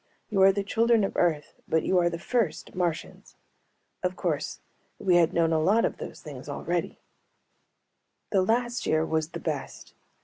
You are the children of Earth but you are the first Martians." Of course we had known a lot of those things already. The last year was the best.